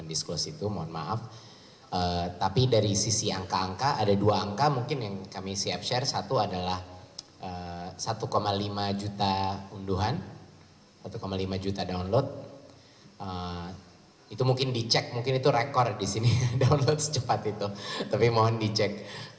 download itu mungkin dicek mungkin itu rekor disini download secepat itu tapi mohon dicek